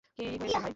কি হয়েছে ভাই?